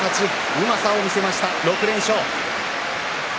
うまさを見せまして６連勝。